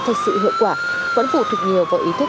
thật sự hiệu quả quản phủ thụt nhiều vào ý thức